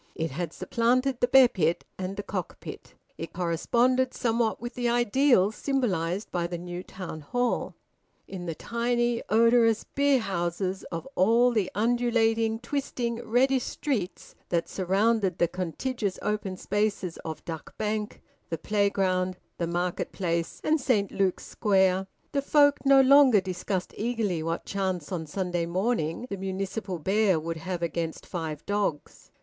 It had supplanted the bear pit and the cock pit. It corresponded somewhat with the ideals symbolised by the new Town Hall. In the tiny odorous beer houses of all the undulating, twisting, reddish streets that surrounded the contiguous open spaces of Duck Bank, the playground, the market place, and Saint Luke's Square, the folk no longer discussed eagerly what chance on Sunday morning the municipal bear would have against five dogs.